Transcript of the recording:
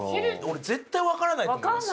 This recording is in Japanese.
俺絶対わからないと思いますよ。